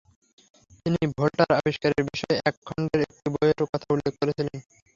তিনি ভোল্টার আবিষ্কারের বিষয়ে এক খন্ডের একটি বইয়ের কথা উল্লেখ করেছিলেন।